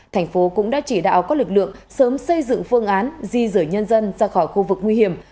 thành phố cũng đã chỉ đạo các lực lượng sớm xây dựng phương án di rời nhân dân ra khỏi khu vực nguy hiểm